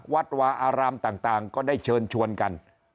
วัดวาอารามต่างก็ได้เชิญชวนกัน